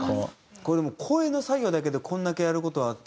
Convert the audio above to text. これもう声の作業だけでこれだけやる事あって。